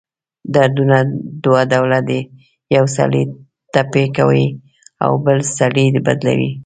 دردونه دوه ډؤله دی: یؤ سړی ټپي کوي اؤ بل سړی بدلؤي.